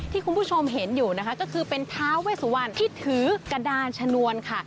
ที่คุณผู้ชมเห็นอยู่นะคะก็คือเป็นท้าเวสุวรรณที่ถือกระดานชนวนค่ะ